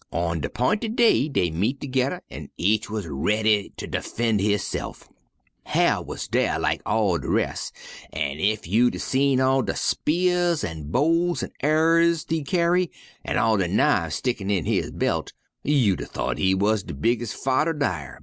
On de 'pinted day dey met toge'rr, an' each wuz raidy ter defen' hisse'f. Hyar' wuz dar lak all de res', an' ef you'd 'a seed all de spears an' bows an' arrers he kyarry, an' all de knifes stickin' in his belt, you'd 'a thought he wuz de bigges' fighter dar.